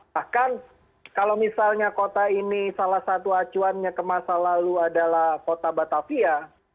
bahkan kalau misalnya kota ini salah satu acuannya ke masa lalu adalah kota batavia